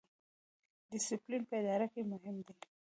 ډیسپلین په اداره کې مهم دی